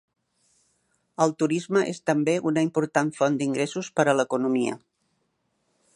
El turisme és també una importat font d'ingressos per a l'economia.